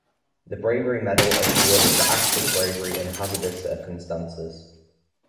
The Bravery Medal is awarded for acts of bravery in hazardous circumstances.